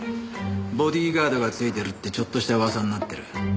ボディーガードがついてるってちょっとした噂になってる。